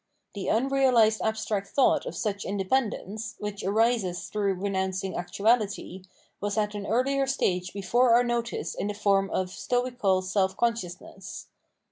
The unrealised abstract thought of such independence, which arises through renouncing actuality, was at an earher stage before our notice in the form of " Stoical self consciousness.'"